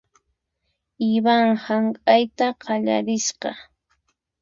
Ivan hank'ayta qallarisqa .